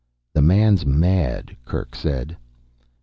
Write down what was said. "The man's mad," Kerk said.